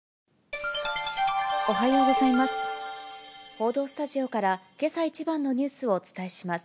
報道スタジオからけさ一番のニュースをお伝えします。